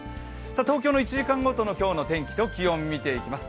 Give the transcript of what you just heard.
東京の１時間ごとの今日の天気と気温を見ていきます。